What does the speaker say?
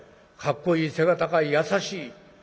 かっこいい背が高い優しい。